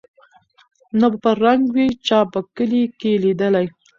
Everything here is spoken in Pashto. نه په رنګ وې چا په کلي کي لیدلی